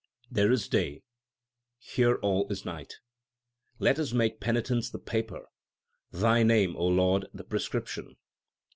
There is day, here all is night. Let us make penitence the paper, 5 Thy name, Lord, the prescription.